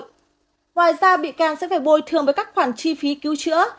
ngoài ra bị can sẽ phải bồi thường với các khoản chi phí cứu chữa